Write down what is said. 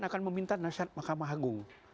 akan meminta nashat mahkamah agung